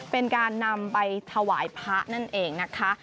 เป็นการนำไปถวายพระนั่นเองนะคะ